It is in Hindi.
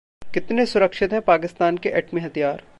कितने सुरक्षित हैं पाकिस्तान के एटमी हथियार?